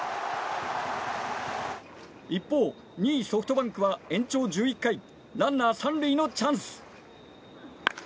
一方、２位ソフトバンクは延長１１回ランナー３塁のチャンス。